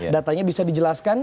datanya bisa dijelaskan